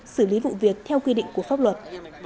xử lý vụ việc theo quy định của pháp luật